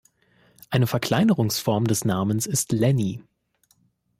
Eine Verkleinerungsform des Namens ist Lanny.